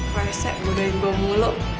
parasek bodohin gue mulu